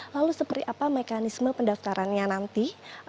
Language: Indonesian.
lalu seperti apa mekanisme pendaftarannya nanti